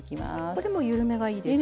これも緩めがいいですか？